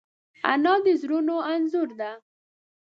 انا د زړونو انځور ده